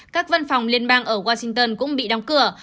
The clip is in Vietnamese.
các văn phòng liên bang ở washington cũng bị đóng cửa